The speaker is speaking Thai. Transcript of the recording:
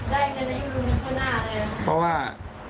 ได้ในนายุลุงนี้เท่าหน้าเลยเพราะว่า